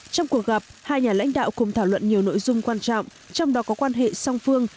trong cuộc gặp hai nhà lãnh đạo cùng thảo luận nhiều nội dung quan trọng trong đó có quan hệ song phương